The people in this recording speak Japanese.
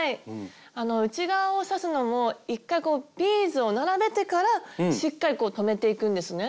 あの内側を刺すのも１回こうビーズを並べてからしっかりこう留めていくんですね。